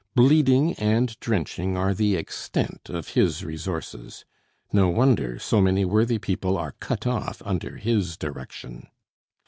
Bleeding and drenching are the extent of his resources. No wonder so many worthy people are cut off under his direction!"